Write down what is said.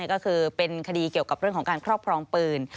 ก็คือเป็นคดีเกี่ยวกับเรื่องของการครอบครองปืน